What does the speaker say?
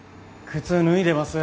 靴脱いでます？